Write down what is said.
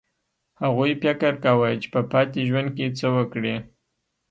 هغوی فکر کاوه چې په پاتې ژوند کې څه وکړي